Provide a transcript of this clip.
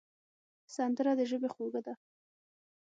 سندره د ژبې خواږه ده